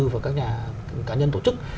và các nhà cá nhân tổ chức